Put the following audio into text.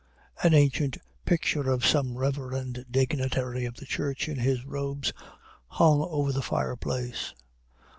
An ancient picture of some reverend dignitary of the church in his robes hung over the fireplace.